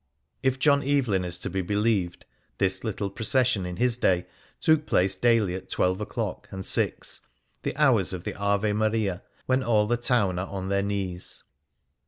If John Evelyn is to be believed, this little procession in his day took place daily at twelve o'clock and six —" the hours of the Ave Maria, when all the town are on their knees."